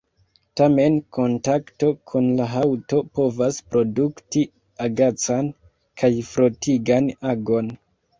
Tamen kontakto kun la haŭto povas produkti agacan kaj frotigan agon.